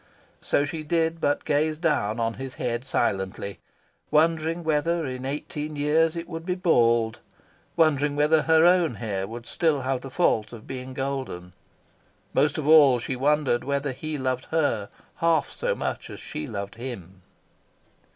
So she did but gaze down on his head silently, wondering whether in eighteen years it would be bald, wondering whether her own hair would still have the fault of being golden. Most of all, she wondered whether he loved her half so much as she loved him.